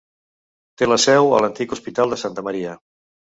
Té la seu a l'antic Hospital de Santa Maria.